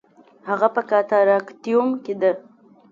هغه په کاتاراکتیوم کې ده